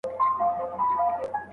د اوبو کموالی د بدن قوت او طاقت کموي.